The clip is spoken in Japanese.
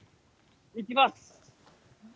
いきます。